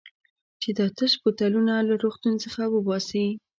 چې دا تش بوتلونه له روغتون څخه وباسي.